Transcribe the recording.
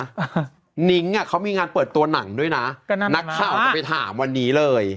อ่ะนิ๊งอะเขามีงานเปิดตัวหนังด้วยนะก็น่าดรอนะสามารถไปถามวันนี้เลย